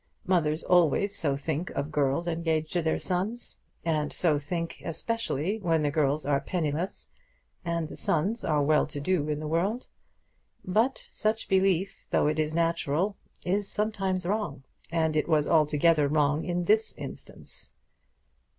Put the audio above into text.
Mothers always so think of girls engaged to their sons, and so think especially when the girls are penniless, and the sons are well to do in the world. But such belief, though it is natural, is sometimes wrong; and it was altogether wrong in this instance.